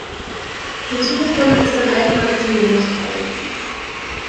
Hinzugekommen ist ein eigener Rezensionsteil.